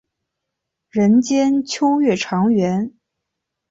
人间秋月长圆。